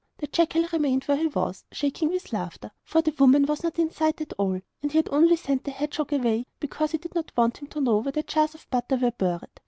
The jackal remained where he was, shaking with laughter, for the woman was not in sight at all, and he had only sent the hedgehog away because he did not want him to know where the jars of butter were buried.